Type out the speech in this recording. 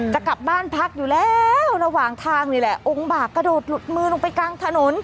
จะกลับบ้านพักอยู่แล้วระหว่างทางนี่แหละองค์บากกระโดดหลุดมือลงไปกลางถนน